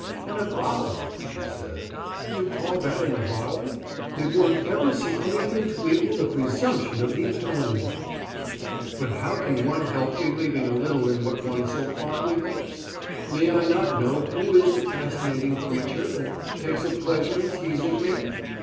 "An avowal!" she said. "You call that an avowal? Did one ever see anything to equal the presumption of these men?" "But how can one help believing a little in what one so fondly hopes? May I not know who is the fascinating creature that takes a pleasure in teasing me?